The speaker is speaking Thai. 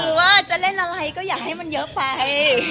เอ่อคือว่าจะเล่นอะไรก็อย่าให้มันเยอะไป